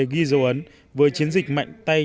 ghi dấu ấn với chiến dịch mạnh tay